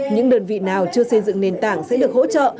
những đơn vị nào chưa xây dựng nền tảng sẽ được hỗ trợ